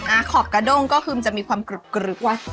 ขอบกระด้งก็คือมันจะมีความกรุบกรึบว่า